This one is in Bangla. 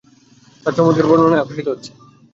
তার চমৎকার বর্ণনায় আকর্ষিত হচ্ছে।